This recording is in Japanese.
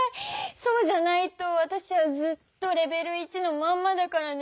そうじゃないとわたしはずっとレベル１のまんまだからね。